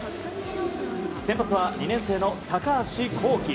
先発は２年生の高橋煌稀。